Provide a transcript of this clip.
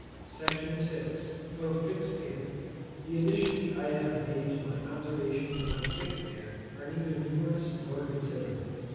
SECTION VI. Of FIXED AIR. The additions I have made to my observations on fixed air are neither numerous nor considerable.